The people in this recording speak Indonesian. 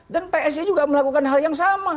dan psi juga melakukan hal yang sama